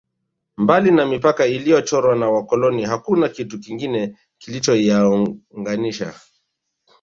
Mbali na mipaka iliyochorwa na wakoloni hakuna kitu kingine kilichoyaunganisha